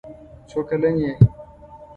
څو کلن یې؟